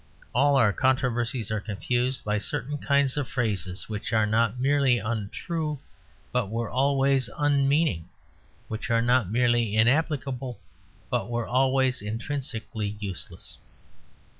All our controversies are confused by certain kinds of phrases which are not merely untrue, but were always unmeaning; which are not merely inapplicable, but were always intrinsically useless.